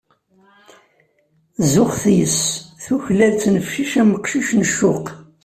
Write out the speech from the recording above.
Zuxet yis-s, tuklal ttnefcic am uqcic n ccuq.